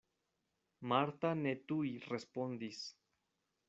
Marta ne tuj respondis.